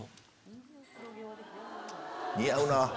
似合うなぁ。